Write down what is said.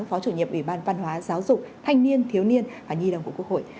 phó chủ nhiệm ủy ban văn hóa giáo dục thanh niên thiếu niên và nhi đồng của quốc hội